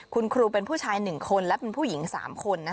คุณครูเป็นผู้ชาย๑คนและเป็นผู้หญิง๓คน